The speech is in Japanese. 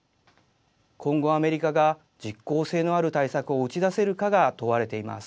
今後、アメリカが実効性のある対策を打ち出せるかが問われています。